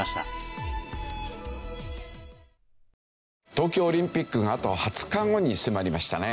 東京オリンピックがあと２０日後に迫りましたね。